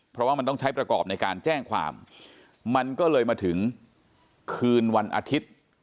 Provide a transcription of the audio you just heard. เพราะว่ามันต้องใช้ประกอบในการแจ้งความมันก็เลยมาถึงคืนวันอาทิตย์